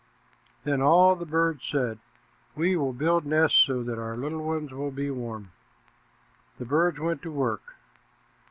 Then all the birds said, "We will build nests so that our little ones will be warm." The birds went to work.